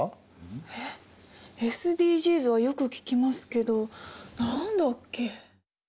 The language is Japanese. えっＳＤＧｓはよく聞きますけど何だっけ？